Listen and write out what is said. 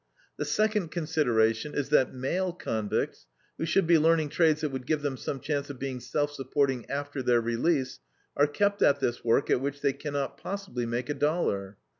The second consideration is that male convicts, who should be learning trades that would give them some chance of being self supporting after their release, are kept at this work at which they can not possibly make a dollar.